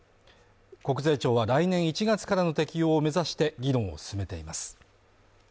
国税庁は来年１月からの適用を目指して議論を進めています。